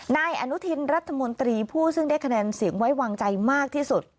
นายอนุทินรัฐมนตรีผู้ซึ่งได้คะแนนเสียงไว้วางใจมากที่สุด